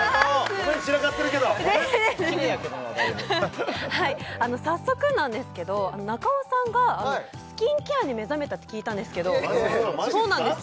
散らかってるけどきれいやけどなだいぶはい早速なんですけど中尾さんがスキンケアに目覚めたって聞いたんですけどそうなんですか？